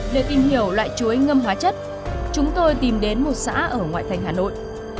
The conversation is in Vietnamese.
để tìm hiểu loại chuối ngâm hóa chất chúng tôi tìm đến một xã ở ngoại thành hà nội